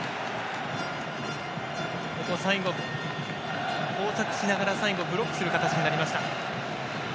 最後、交錯しながらブロックする形になりました。